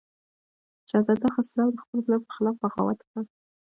شهزاده خسرو د خپل پلار پر خلاف بغاوت وکړ.